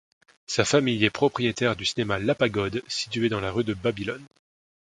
Sa famille est propriétaire du cinéma La Pagode, situé dans la rue de Babylone.